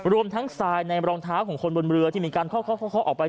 รวมทั้งทรายในรองเท้าของคนบนเรือที่มีการเคาะออกไป